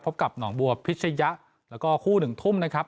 กับหนองบัวพิชยะแล้วก็คู่หนึ่งทุ่มนะครับ